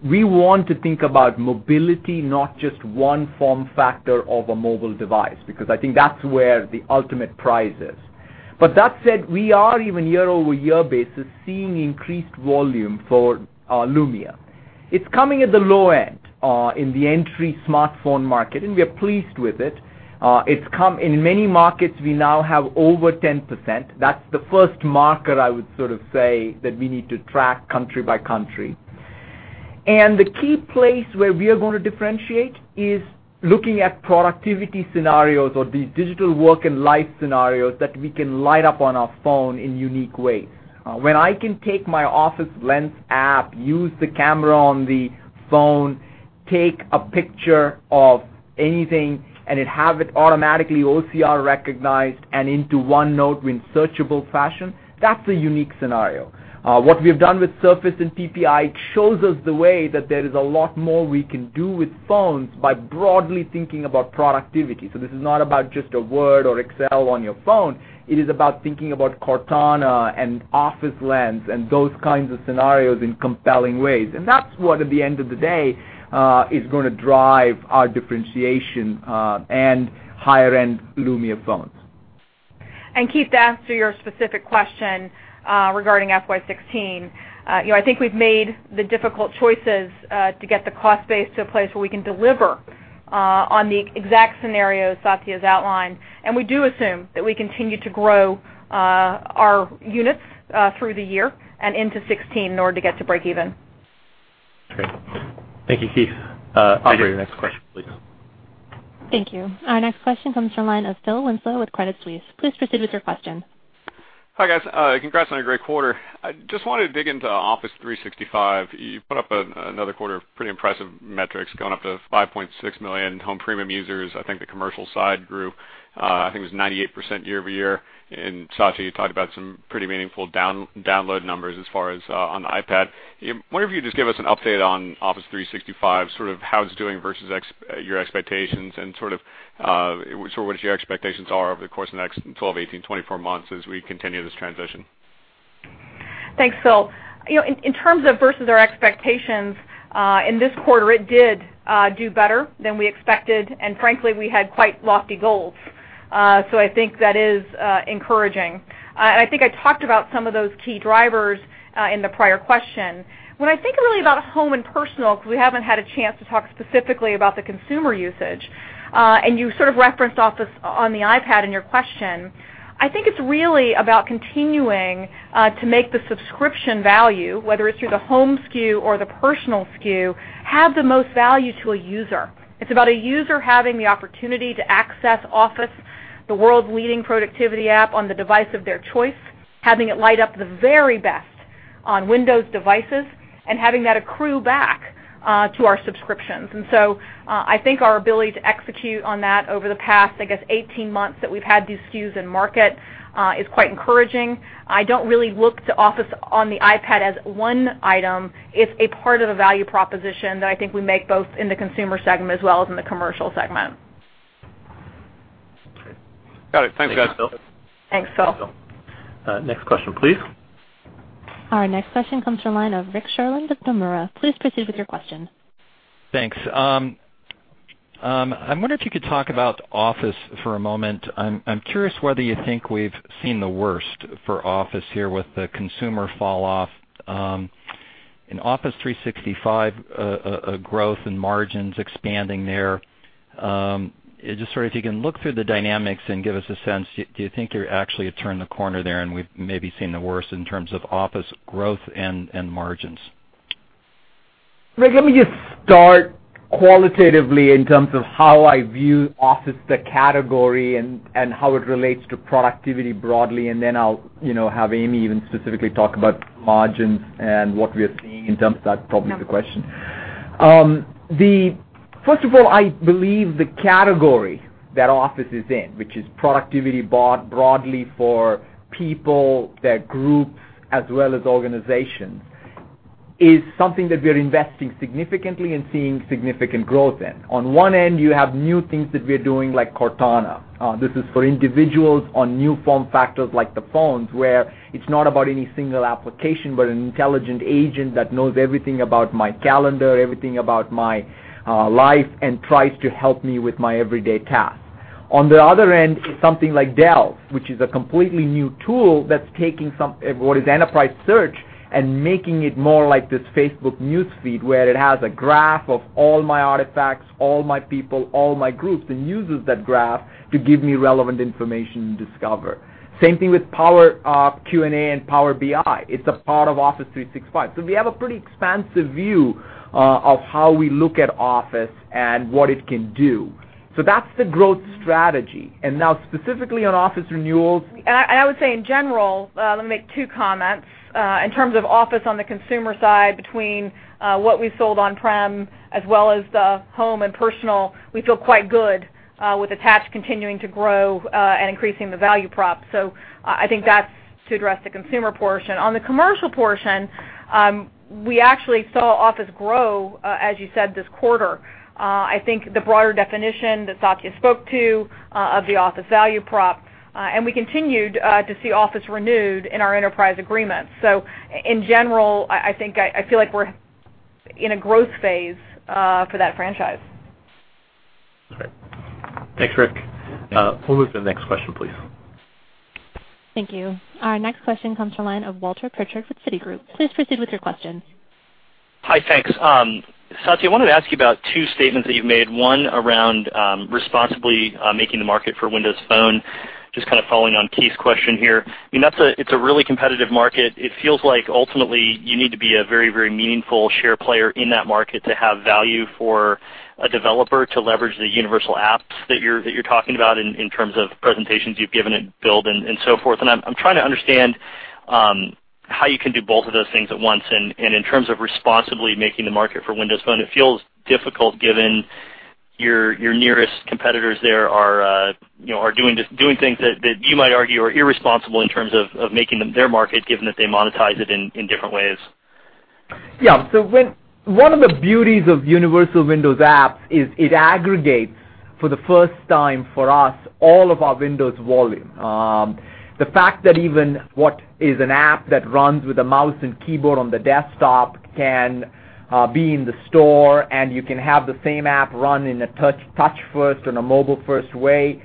we want to think about mobility, not just one form factor of a mobile device, because I think that's where the ultimate prize is. That said, we are even year-over-year basis seeing increased volume for Lumia. It's coming at the low end in the entry smartphone market, and we are pleased with it. In many markets, we now have over 10%. That's the first marker I would sort of say that we need to track country by country. The key place where we are gonna differentiate is looking at productivity scenarios or the digital work and life scenarios that we can light up on our phone in unique ways. When I can take my Office Lens app, use the camera on the phone, take a picture of anything, and it have it automatically OCR recognized and into OneNote in searchable fashion, that's a unique scenario. What we've done with Surface and PPI shows us the way that there is a lot more we can do with phones by broadly thinking about productivity. This is not about just a Word or Excel on your phone. It is about thinking about Cortana and Office Lens and those kinds of scenarios in compelling ways. That's what, at the end of the day, is gonna drive our differentiation and higher-end Lumia phones. Keith, to answer your specific question, regarding FY 2016, you know, I think we've made the difficult choices to get the cost base to a place where we can deliver on the exact scenarios Satya's outlined. We do assume that we continue to grow our units through the year and into 16 in order to get to break even. Great. Thank you, Keith. Operator, next question, please. Thank you. Our next question comes from line of Phil Winslow with Credit Suisse. Please proceed with your question. Hi, guys. Congrats on a great quarter. I just wanted to dig into Office 365. You put up another quarter of pretty impressive metrics, going up to 5.6 million Home Premium users. I think the commercial side grew, I think it was 98% year-over-year. Satya, you talked about some pretty meaningful download numbers as far as on the iPad. Wonder if you could just give us an update on Office 365, sort of how it's doing versus your expectations and sort of, sort of what your expectations are over the course of the next 12, 18, 24 months as we continue this transition. Thanks, Phil. You know, in terms of versus our expectations, in this quarter, it did do better than we expected, and frankly, we had quite lofty goals. I think that is encouraging. I think I talked about some of those key drivers in the prior question. When I think really about Home and Personal, because we haven't had a chance to talk specifically about the consumer usage, and you sort of referenced Office on the iPad in your question, I think it's really about continuing to make the subscription value, whether it's through the Home SKU or the Personal SKU, have the most value to a user. It's about a user having the opportunity to access Office, the world's leading productivity app, on the device of their choice, having it light up the very best on Windows devices, and having that accrue back to our subscriptions. I think our ability to execute on that over the past, I guess, 18 months that we've had these SKUs in market is quite encouraging. I don't really look to Office on the iPad as one item. It's a part of a value proposition that I think we make both in the consumer segment as well as in the commercial segment. Great. Got it. Thanks, guys. Thanks, Phil. Thanks, Phil. Next question, please. Our next question comes from line of Rick Sherlund of Nomura. Please proceed with your question. Thanks. I wonder if you could talk about Office for a moment. I'm curious whether you think we've seen the worst for Office here with the consumer falloff, in Office 365 growth and margins expanding there, just sort of if you can look through the dynamics and give us a sense, do you think you're actually turned the corner there, and we've maybe seen the worst in terms of Office growth and margins? Rick, let me just start qualitatively in terms of how I view Office, the category, and how it relates to productivity broadly, and then I'll, you know, have Amy even specifically talk about margins and what we are seeing in terms of that, probably the question. First of all, I believe the category that Office is in, which is productivity broadly for people, their groups, as well as organizations, is something that we are investing significantly and seeing significant growth in. On one end, you have new things that we are doing like Cortana. This is for individuals on new form factors like the phones, where it's not about any single application, but an intelligent agent that knows everything about my calendar, everything about my life, and tries to help me with my everyday tasks. On the other end is something like Delve, which is a completely new tool that's taking what is enterprise search and making it more like this Facebook news feed, where it has a graph of all my artifacts, all my people, all my groups, and uses that graph to give me relevant information and discover. Same thing with Power Q&A and Power BI. It's a part of Office 365. We have a pretty expansive view of how we look at Office and what it can do. That's the growth strategy. Now specifically on Office renewals. I would say in general, let me make two comments. In terms of Office on the consumer side, between what we sold on-prem as well as the home and personal, we feel quite good with attach continuing to grow and increasing the value prop. I think that's to address the consumer portion. On the commercial portion, we actually saw Office grow, as you said, this quarter. I think the broader definition that Satya spoke to of the Office value prop, and we continued to see Office renewed in our enterprise agreements. In general, I think I feel like we're in a growth phase for that franchise. Okay. Thanks, Rick. We'll move to the next question, please. Thank you. Our next question comes from line of Walter Pritchard with Citigroup. Please proceed with your question. Hi, thanks. Satya, I wanted to ask you about two statements that you've made. One around responsibly making the market for Windows Phone. Just kind of following on Keith's question here. I mean, that's a, it's a really competitive market. It feels like ultimately you need to be a very, very meaningful share player in that market to have value for a developer to leverage the universal apps that you're talking about in terms of presentations you've given at Build and so forth. I'm trying to understand how you can do both of those things at once. In terms of responsibly making the market for Windows Phone, it feels difficult given your nearest competitors there are, you know, doing things that you might argue are irresponsible in terms of making them their market, given that they monetize it in different ways. Yeah. One of the beauties of universal Windows apps is it aggregates, for the first time for us, all of our Windows volume. The fact that even what is an app that runs with a mouse and keyboard on the desktop can be in the store and you can have the same app run in a touch first, in a mobile first way,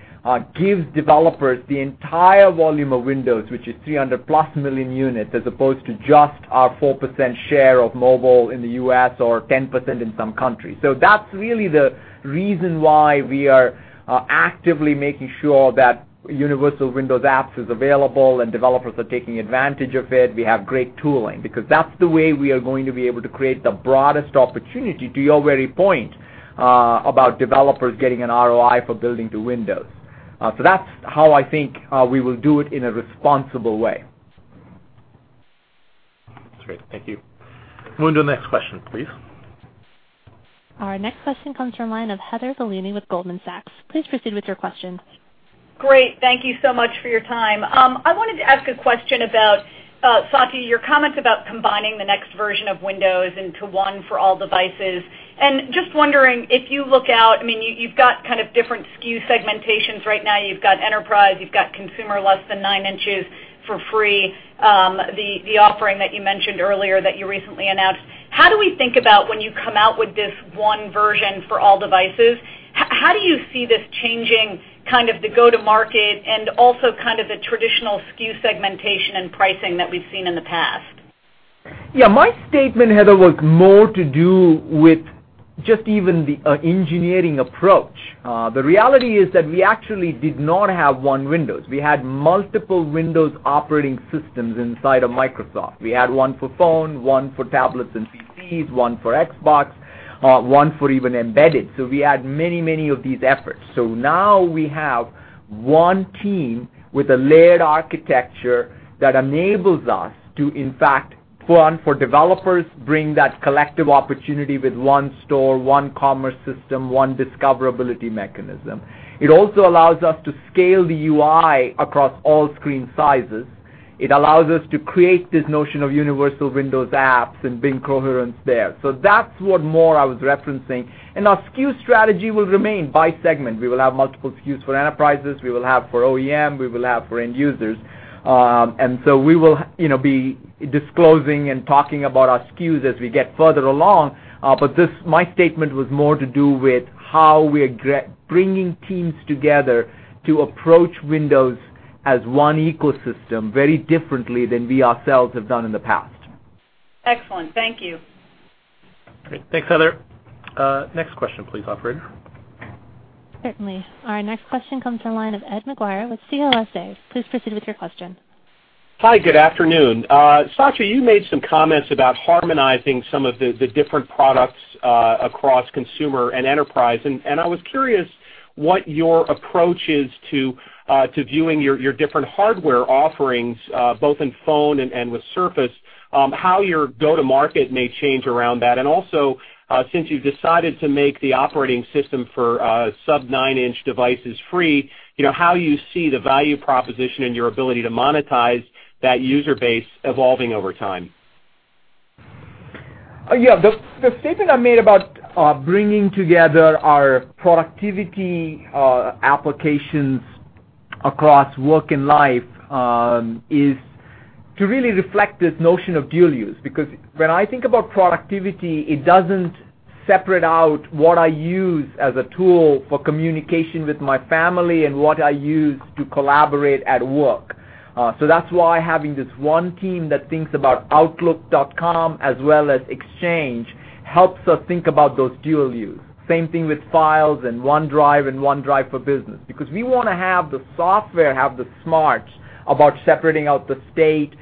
gives developers the entire volume of Windows, which is 300 plus million units, as opposed to just our 4% share of mobile in the U.S. or 10% in some countries. That's really the reason why we are actively making sure that universal Windows apps is available and developers are taking advantage of it. We have great tooling because that's the way we are going to be able to create the broadest opportunity to your very point, about developers getting an ROI for building to Windows. That's how I think, we will do it in a responsible way. That's great. Thank you. Move to the next question, please. Our next question comes from line of Heather Bellini with Goldman Sachs. Please proceed with your question. Great. Thank you so much for your time. I wanted to ask a question about Satya, your comments about combining the next version of Windows into one for all devices. Just wondering if you look out, I mean, you've got kind of different SKU segmentations right now. You've got enterprise, you've got consumer less than nine inches for free, the offering that you mentioned earlier that you recently announced. How do we think about when you come out with this one version for all devices? How do you see this changing kind of the go-to-market and also kind of the traditional SKU segmentation and pricing that we've seen in the past? My statement, Heather, was more to do with just even the engineering approach. The reality is that we actually did not have one Windows. We had multiple Windows operating systems inside of Microsoft. We had one for phone, one for tablets and PCs, one for Xbox, one for even embedded. We had many of these efforts. Now we have one team with a layered architecture that enables us to, in fact, one, for developers, bring that collective opportunity with one store, one commerce system, one discoverability mechanism. It also allows us to scale the UI across all screen sizes. It allows us to create this notion of universal Windows apps and bring coherence there. That's what more I was referencing. Our SKU strategy will remain by segment. We will have multiple SKUs for enterprises, we will have for OEM, we will have for end users. We will, you know, be disclosing and talking about our SKUs as we get further along. This, my statement was more to do with how we are bringing teams together to approach Windows as one ecosystem very differently than we ourselves have done in the past. Excellent. Thank you. Great. Thanks, Heather. Next question, please, operator. Certainly. Our next question comes from the line of Ed Maguire with CLSA. Please proceed with your question. Hi, good afternoon. Satya, you made some comments about harmonizing some of the different products across consumer and enterprise. I was curious what your approach is to viewing your different hardware offerings both in phone and with Surface, how your go-to-market may change around that. Since you've decided to make the operating system for sub-nine-inch devices free, you know, how you see the value proposition in your ability to monetize that user base evolving over time. Yeah, the statement I made about bringing together our productivity applications across work and life is to really reflect this notion of dual use. Because when I think about productivity, it doesn't separate out what I use as a tool for communication with my family and what I use to collaborate at work. So that's why having this one team that thinks about Outlook.com as well as Exchange helps us think about those dual use. Same thing with Files and OneDrive and OneDrive for Business. Because we wanna have the software have the smarts about separating out the state,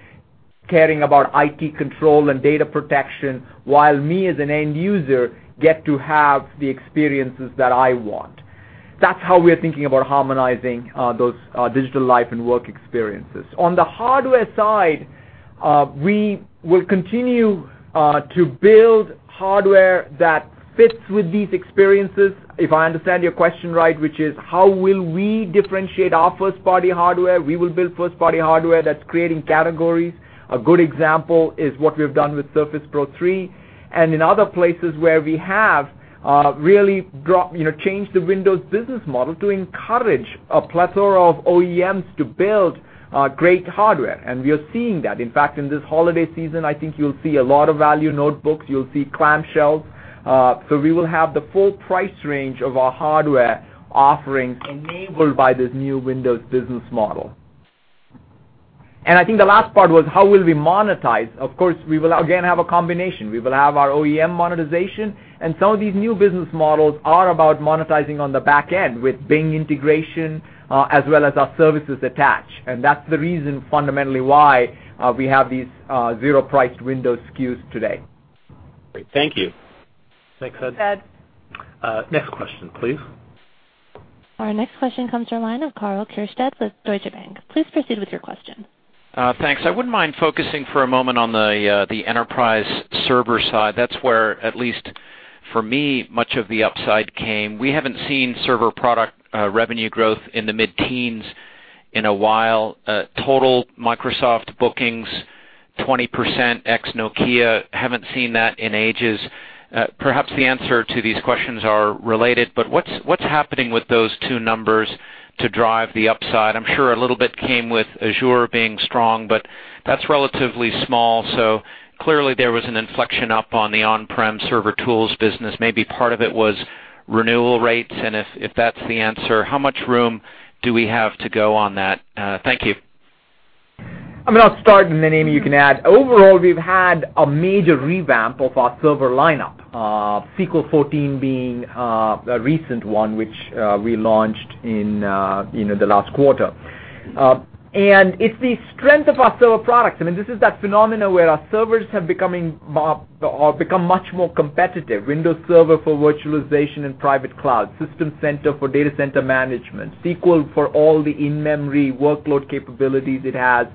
caring about IT control and data protection, while me, as an end user, get to have the experiences that I want. That's how we're thinking about harmonizing those digital life and work experiences. On the hardware side, we will continue to build hardware that fits with these experiences. If I understand your question right, which is how will we differentiate our first-party hardware? We will build first-party hardware that's creating categories. A good example is what we've done with Surface Pro 3 and in other places where we have, you know, changed the Windows business model to encourage a plethora of OEMs to build great hardware, and we are seeing that. In fact, in this holiday season, I think you'll see a lot of value notebooks. You'll see clamshells. So we will have the full price range of our hardware offerings enabled by this new Windows business model. I think the last part was how will we monetize. Of course, we will again have a combination. We will have our OEM monetization, and some of these new business models are about monetizing on the back end with Bing integration, as well as our services attached. That's the reason fundamentally why, we have these, zero-priced Windows SKUs today. Great. Thank you. Thanks, Ed. Thanks, Ed. Next question, please. Our next question comes from line of Karl Keirstead with Deutsche Bank. Please proceed with your question. Thanks. I wouldn't mind focusing for a moment on the enterprise server side. That's where, at least for me, much of the upside came. We haven't seen server product revenue growth in the mid-teens in a while. Total Microsoft bookings, 20% ex Nokia, haven't seen that in ages. Perhaps the answer to these questions are related, but what's happening with those two numbers to drive the upside? I'm sure a little bit came with Azure being strong, but that's relatively small. Clearly there was an inflection up on the on-prem server tools business. Maybe part of it was renewal rates, and if that's the answer, how much room do we have to go on that? Thank you. I mean, I'll start, and then, Amy, you can add. Overall, we've had a major revamp of our server lineup. SQL 14 being a recent one, which we launched in the last quarter. It's the strength of our server products. I mean, this is that phenomena where our servers have become much more competitive. Windows Server for virtualization and private cloud, System Center for data center management, SQL for all the in-memory workload capabilities it has,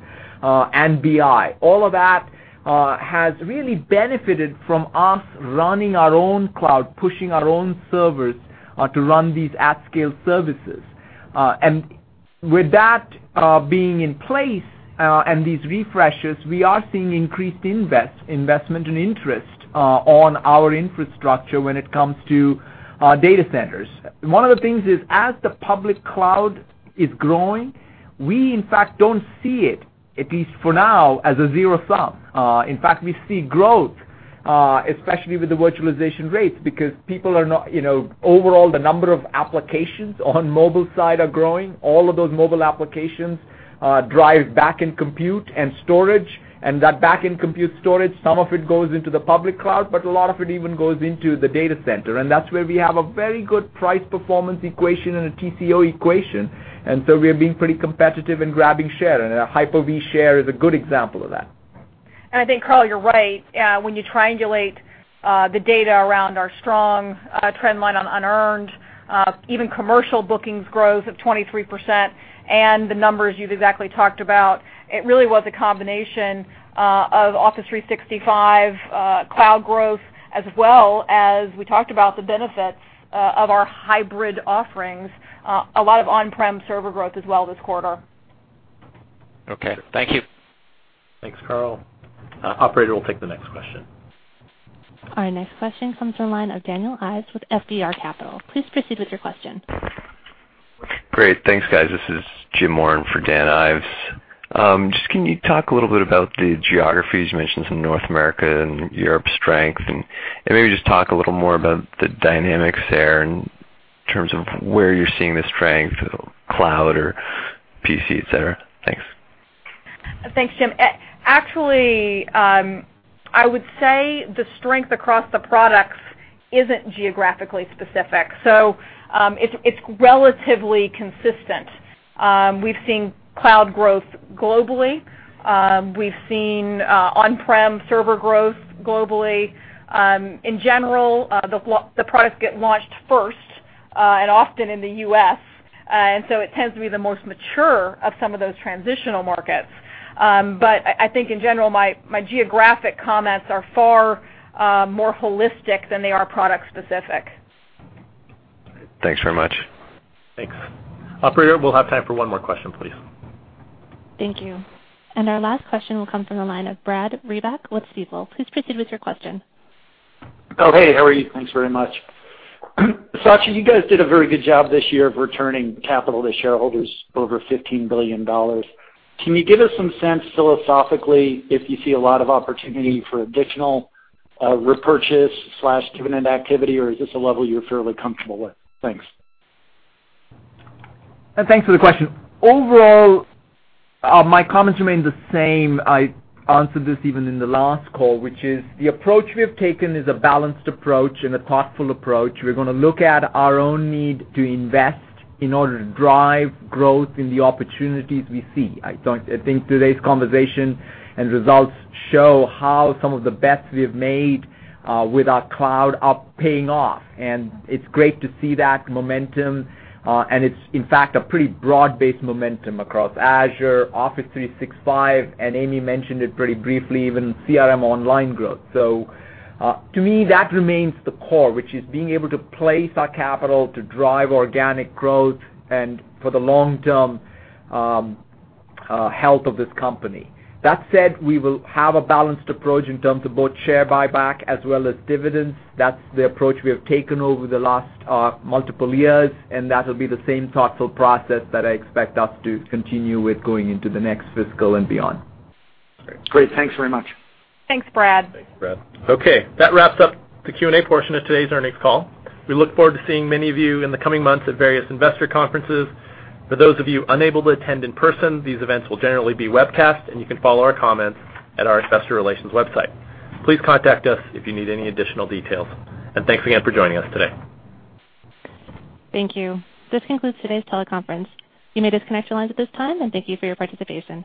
and BI. All of that has really benefited from us running our own cloud, pushing our own servers to run these at-scale services. With that being in place, and these refreshes, we are seeing increased investment and interest on our infrastructure when it comes to data centers. One of the things is, as the public cloud is growing, we in fact don't see it, at least for now, as a zero sum. In fact, we see growth, especially with the virtualization rates because people are not, you know, overall, the number of applications on mobile side are growing. All of those mobile applications drive backend compute and storage, and that backend compute storage, some of it goes into the public cloud, but a lot of it even goes into the data center, and that's where we have a very good price-performance equation and a TCO equation. So we are being pretty competitive in grabbing share, and Hyper-V share is a good example of that. I think, Karl, you're right. When you triangulate the data around our strong trend line on unearned, even commercial bookings growth of 23% and the numbers you've exactly talked about, it really was a combination of Office 365 cloud growth, as well as we talked about the benefits of our hybrid offerings, a lot of on-prem server growth as well this quarter. Okay. Thank you. Thanks, Karl. operator, we'll take the next question. Our next question comes from line of Daniel Ives with FBR Capital. Please proceed with your question. Great. Thanks, guys. This is Jim Moran for Dan Ives. Just can you talk a little bit about the geographies? You mentioned some North America and Europe strength, and maybe just talk a little more about the dynamics there in terms of where you're seeing the strength, cloud or PC, et cetera. Thanks. Thanks, Jim. Actually, I would say the strength across the products isn't geographically specific, so it's relatively consistent. We've seen cloud growth globally. We've seen on-prem server growth globally. In general, the products get launched first and often in the U.S., it tends to be the most mature of some of those transitional markets. I think in general, my geographic comments are far more holistic than they are product specific. Thanks very much. Thanks. Operator, we'll have time for one more question, please. Thank you. Our last question will come from the line of Brad Reback with Stifel. Please proceed with your question. Oh, hey, how are you? Thanks very much. Satya, you guys did a very good job this year of returning capital to shareholders, over $15 billion. Can you give us some sense philosophically if you see a lot of opportunity for additional repurchase/dividend activity, or is this a level you're fairly comfortable with? Thanks. Thanks for the question. Overall, my comments remain the same. I answered this even in the last call, which is the approach we have taken is a balanced approach and a thoughtful approach. We're gonna look at our own need to invest in order to drive growth in the opportunities we see. I think today's conversation and results show how some of the bets we have made with our cloud are paying off, and it's great to see that momentum. It's in fact a pretty broad-based momentum across Azure, Office 365, and Amy mentioned it pretty briefly, even CRM Online growth. To me, that remains the core, which is being able to place our capital to drive organic growth and for the long-term health of this company. That said, we will have a balanced approach in terms of both share buyback as well as dividends. That's the approach we have taken over the last multiple years, and that'll be the same thoughtful process that I expect us to continue with going into the next fiscal and beyond. Great. Thanks very much. Thanks, Brad. Thanks, Brad. Okay, that wraps up the Q&A portion of today's earnings call. We look forward to seeing many of you in the coming months at various investor conferences. For those of you unable to attend in person, these events will generally be webcast, and you can follow our comments at our investor relations website. Please contact us if you need any additional details, and thanks again for joining us today. Thank you. This concludes today's teleconference. You may disconnect your lines at this time, and thank you for your participation.